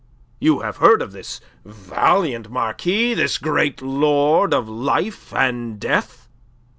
You have heard of this valiant Marquis, this great lord of life and death?"